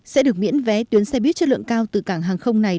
sẽ được miễn vé tuyến xe buýt chất lượng cao từ cảng hàng không này